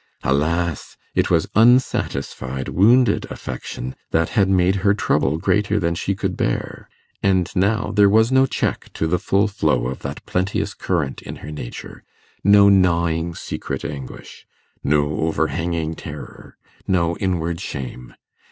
Alas! it was unsatisfied, wounded affection that had made her trouble greater than she could bear. And now there was no check to the full flow of that plenteous current in her nature no gnawing secret anguish no overhanging terror no inward shame.